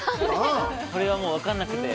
これはもう分かんなくて。